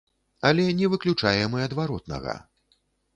Але не выключаем і адваротнага.